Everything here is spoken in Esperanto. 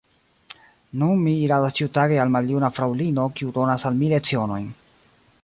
Nun mi iradas ĉiutage al maljuna fraŭlino, kiu donas al mi lecionojn.